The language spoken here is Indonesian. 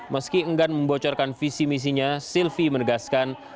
meski enggan membocorkan visi misinya sylvi menegaskan